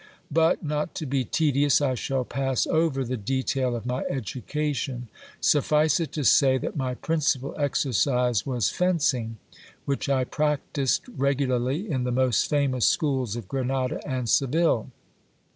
But, not to be tedious, I shall pass over the detail of my education. Suffice it to say, that my principal exercise was fencing, which I practised regularly in the most famous schools of Grenada and Seville.